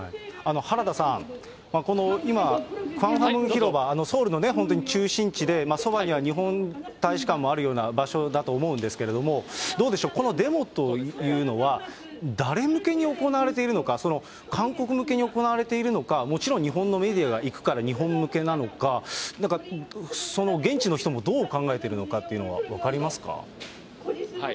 原田さん、この今、カンファムン広場、ソウルのね、本当に中心地で、そばには日本大使館もあるような場所だと思うんですけれども、どうでしょう、このデモというのは、誰向けに行われているのか、韓国向けに行われているのか、もちろん日本のメディアが行くから日本向けなのか、なんかその現地の人もどう考えているのかというの分かりますか？